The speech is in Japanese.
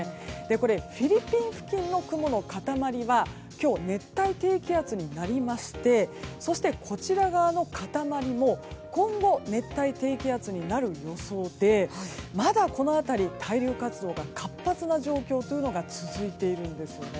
これ、フィリピン付近の雲の塊は今日、熱帯低気圧になりましてそして、下側の塊も今後、熱帯低気圧になる予想でまだこの辺り対流活動が活発な状況が続いているんですよね。